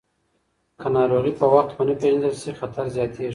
که ناروغي په وخت ونه پیژندل شي، خطر زیاتېږي.